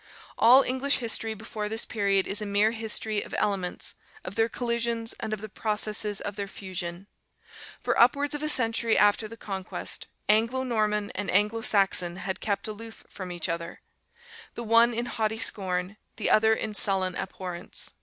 All English history before this period is a mere history of elements, of their collisions, and of the processes of their fusion. For upwards of a century after the Conquest, Anglo Norman and Anglo Saxon had kept aloof from each other: the one in haughty scorn, the other in sullen abhorrence.